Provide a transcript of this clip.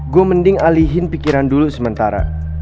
gue mending alihin pikiran dulu sementara